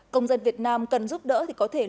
công dân việt nam cần giúp đỡ thì có thể liên hệ